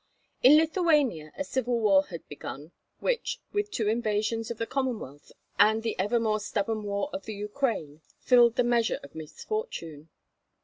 In Lithuania a civil war had begun, which, with two invasions of the Commonwealth and the ever more stubborn war of the Ukraine, filled the measure of misfortune.